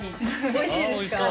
おいしいですか。